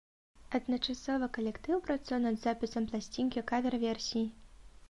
Адначасова калектыў працуе над запісам пласцінкі кавер-версій.